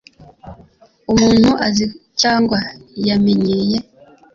umuntu azi cyangwa yamenyeye